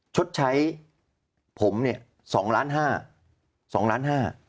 ชดใช้ผมเนี่ย๒ล้าน๕